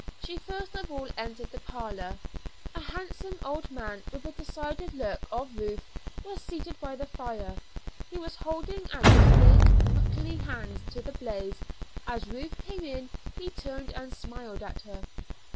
She first of all entered the parlor. A handsome old man, with a decided look of Ruth herself, was seated by the fire. He was holding out his thin, knuckly hands to the blaze. As Ruth came in he turned and smiled at her.